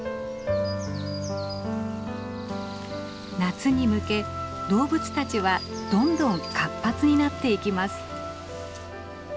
夏に向け動物たちはどんどん活発になっていきます。